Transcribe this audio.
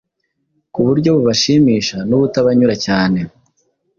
ku buryo bubashimisha n’ubutabanyura cyane